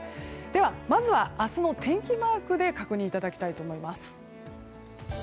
では、明日の天気マークで確認いただきたいと思います。